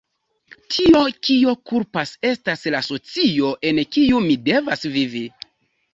Tio, kio kulpas estas la socio en kiu mi devas vivi.